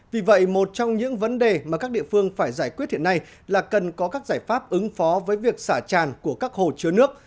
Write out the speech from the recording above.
vì vậy một trong những vấn đề mà các địa phương phải giải quyết hiện nay là cần có các giải pháp ứng phó với việc xả tràn của các hồ chứa nước